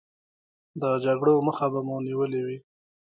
د جګړو مخه به مو نیولې وي.